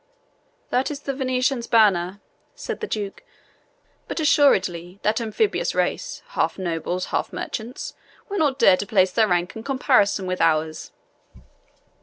"That is the Venetian's banner," said the Duke; "but assuredly that amphibious race, half nobles, half merchants, will not dare to place their rank in comparison with ours."